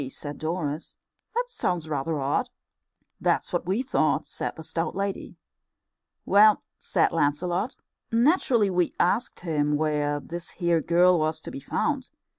said Doris, "that sounds rather odd." "That's what we thought," said the stout lady. "Well," said Lancelot, "naturally we asked him where this here girl was to be found.